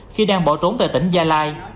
khi đang bỏ trốn tại tỉnh gia lai